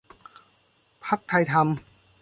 พรรคไทยธรรม